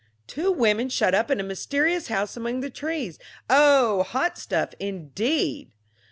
Two women shut up in a mysterious house among the trees! Oh, hot stuff, indeed!